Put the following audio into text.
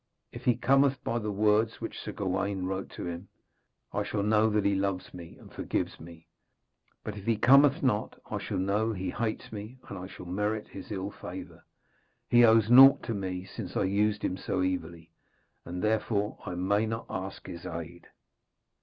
'If he cometh by the words which Sir Gawaine wrote to him, I shall know that he loves me and forgives me; but if he cometh not, I shall know he hates me, and I shall merit his ill favour. He owes naught to me since I used him so evilly, and therefore I may not ask his aid.'